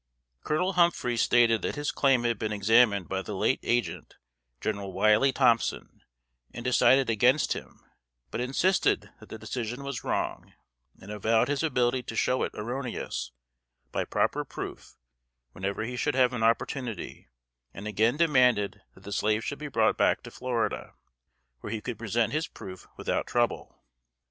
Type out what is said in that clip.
Colonel Humphreys stated that his claim had been examined by the late agent, General Wiley Thompson, and decided against him; but insisted that the decision was wrong, and avowed his ability to show it erroneous by proper proof whenever he should have an opportunity, and again demanded that the slaves should be brought back to Florida, where he could present his proof without trouble.